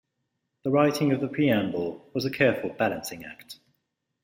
The writing of the Preamble was a careful balancing act.